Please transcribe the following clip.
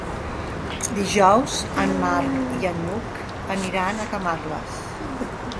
Dijous en Marc i n'Hug aniran a Camarles.